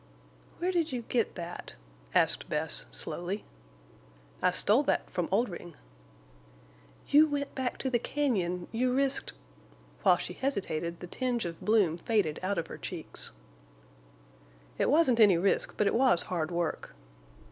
"Where did you get that?" asked Bess, slowly. "I stole that from Oldring." "You went back to the cañon—you risked—" While she hesitated the tinge of bloom faded out of her cheeks. "It wasn't any risk, but it was hard work."